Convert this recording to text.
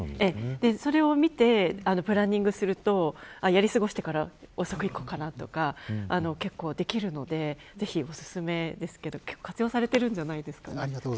それを見てプランニングするとやり過ごしてから遅く行こうかなとか結構できるのでぜひおすすめですけど活用されてるんじゃないですか。